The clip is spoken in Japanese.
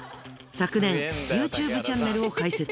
昨年ＹｏｕＴｕｂｅチャンネルを開設。